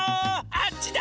あっちだ！